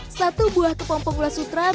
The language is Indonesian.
satu buah kepompong gula sutra bila dipintal